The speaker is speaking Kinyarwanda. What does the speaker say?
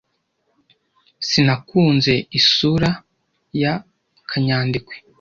Sinakunze isura y kanyandekwe.